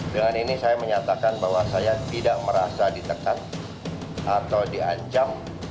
dengan ini saya menyatakan bahwa saya tidak merasa ditekan atau diancam